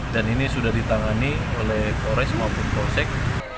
dan ini sudah ditangani oleh kores maupun konsek